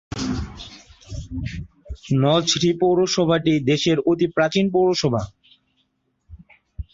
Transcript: নলছিটি পৌরসভাটি দেশের অতি প্রাচীন পৌরসভা।